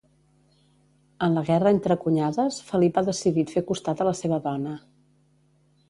En la guerra entre cunyades Felip ha decidit fer costat a la seva dona.